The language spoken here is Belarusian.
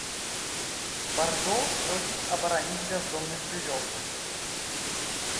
Бардо просіць абараніць бяздомных жывёл.